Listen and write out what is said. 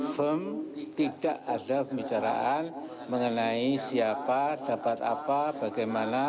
firm tidak ada pembicaraan mengenai siapa dapat apa bagaimana